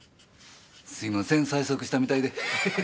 すいません催促したみたいで。